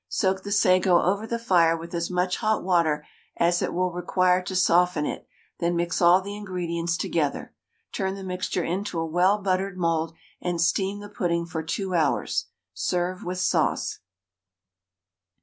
Soak the sago over the fire with as much hot water as it will require to soften it, then mix all the ingredients together. Turn the mixture into a well buttered mould, and steam the pudding for 2 hours. Serve with sauce.